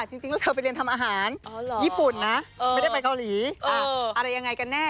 จริงแล้วเธอไปเรียนทำอาหารญี่ปุ่นนะไม่ได้ไปเกาหลีอะไรยังไงกันแน่